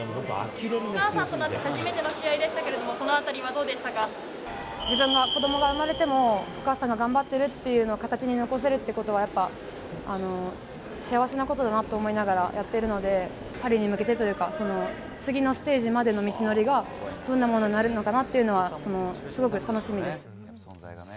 お母さんとなって初めての試合でしたけれども、自分が子どもが生まれても、お母さんが頑張っているということを形に残せるっていうことは、やっぱ幸せなことだと思いながらやっているので、パリに向けてというか、その次のステージまでの道のりがどんなものになるのかなっていうのは、すごく楽しみです。